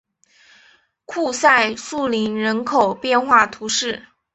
库赛树林人口变化图示